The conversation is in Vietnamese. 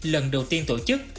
lần đầu tiên tổ chức